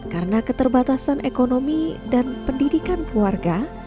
karena keterbatasan ekonomi dan pendidikan keluarga